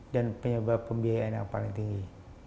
dan penyebab pembiayaan yang paling tinggi